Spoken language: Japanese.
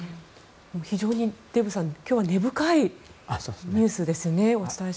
非常にデーブさん今日は根深いニュースですね。